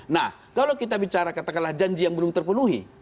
nah kalau kita bicara katakanlah janji yang belum terpenuhi